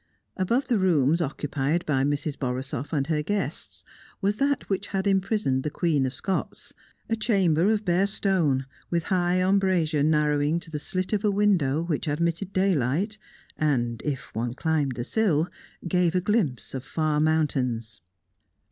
Above the rooms occupied by Mrs. Borisoff and her guests was that which had imprisoned the Queen of Scots; a chamber of bare stone, with high embrasure narrowing to the slit of window which admitted daylight, and, if one climbed the sill, gave a glimpse of far mountains.